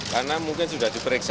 karena mungkin sudah diperiksa